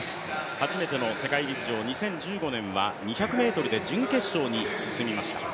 初めての世界陸上２０１５年は２００ｍで準決勝に進みました。